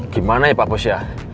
gimana ya pak bos ya